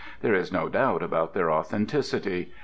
There is no doubt about their authenticity.